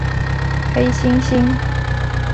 黑猩猩。